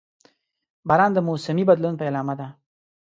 • باران د موسمي بدلون پیلامه ده.